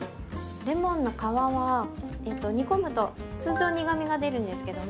レモンの皮は煮込むと通常苦みが出るんですけども。